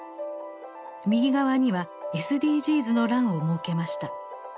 右側にはＳＤＧｓの欄を設けました。